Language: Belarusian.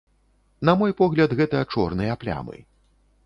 На мой погляд, гэта чорныя плямы.